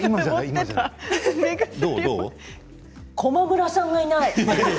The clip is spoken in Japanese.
駒村さんがいない！